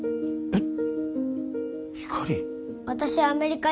えっ！？